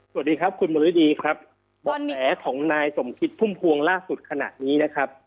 สวัสดีครับคุณมฤดีครับบ่อแสของนายสมคิดพุ่มพวงล่าสุดขณะนี้นะครับ